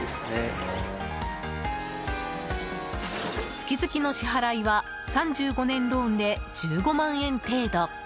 月々の支払いは３５年ローンで１５万円程度。